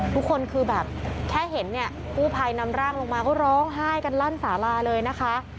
ทุกคนคือแบบแค่เห็นเนี่ยกู้ภัยนำร่างลงมาก็ร้องไห้กันลั่นสาลาเลยนะคะ